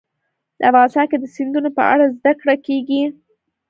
افغانستان کې د سیندونه په اړه زده کړه کېږي.